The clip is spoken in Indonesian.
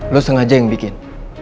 lo sengaja yang bikin